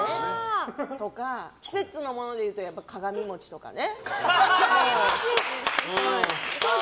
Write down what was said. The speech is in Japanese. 季節のものでいうと鏡餅とかね。